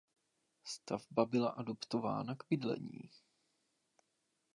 Stavba byla adaptována k bydlení.